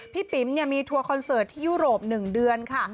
ปิ๋มมีทัวร์คอนเสิร์ตที่ยุโรป๑เดือนค่ะ